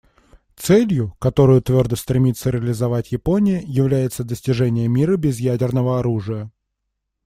Целью, которую твердо стремится реализовать Япония, является достижение мира без ядерного оружия.